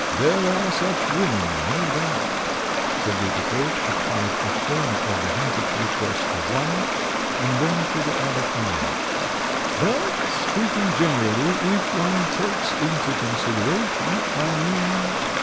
"There are such women, no doubt." (Sergei Petrovitch applied a corner of the handkerchief first to one and then to the other eye.) "But speaking generally, if one takes into consideration, I mean...